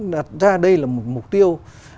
đặt ra đây là một mục tiêu